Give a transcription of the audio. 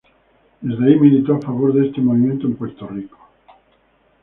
Desde ahí militó a favor de este movimiento en Puerto Rico.